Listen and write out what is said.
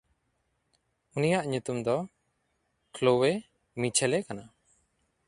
ᱩᱱᱤᱭᱟᱜ ᱧᱩᱛᱩᱢ ᱫᱚ ᱠᱷᱞᱚᱣᱮᱼᱢᱤᱪᱷᱮᱞᱮ ᱠᱟᱱᱟ᱾